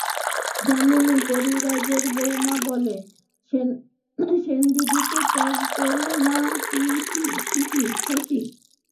যামিনী কবিরাজের বৌ বলে, সেনদিদিকে ত্যাগ করলে না কি শশী?